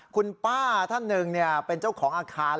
คุณป้าท่านหนึ่งเป็นเจ้าของอาคาร